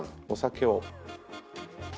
お酒を。